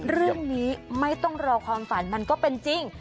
เรื่องนี้ไม่ต้องรอความฝันมันก็เป็นจริง